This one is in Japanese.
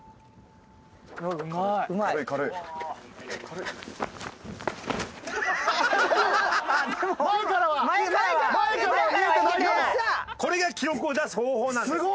これが記録を出す方法なんです。